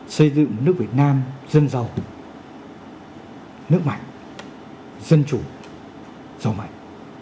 xây dựng một nước việt nam dân giàu nước mạnh dân chủ giàu mạnh